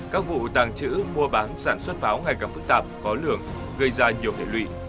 các vụ tàng trữ mua bán sản xuất pháo ngày càng phức tạp khó lường gây ra nhiều hệ lụy